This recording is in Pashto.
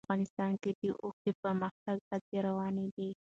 افغانستان کې د اوښ د پرمختګ هڅې روانې دي.